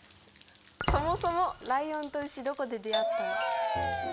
「そもそもライオンとウシどこで出会ったの？」。